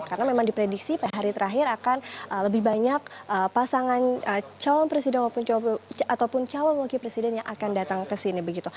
karena memang diprediksi pada hari terakhir akan lebih banyak pasangan calon presiden ataupun calon wakil presiden yang akan datang ke sini